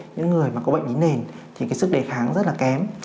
những người mà có bệnh lý nền thì cái sức đề kháng rất là kém